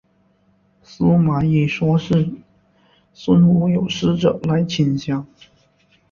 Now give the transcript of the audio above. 司马懿说是孙吴有使者来请降。